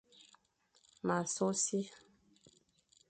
M a so si.